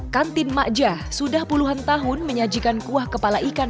kantin makjah sudah puluhan tahun menyajikan kuah kepala ikan